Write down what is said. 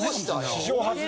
史上初。